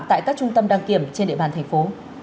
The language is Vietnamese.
tại các trung tâm đăng kiểm trên địa bàn thành phố